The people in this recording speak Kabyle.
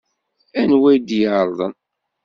Anwa i d-yeṛḍen?